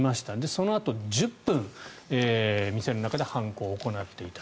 そのあと１０分店の中で犯行を行っていた。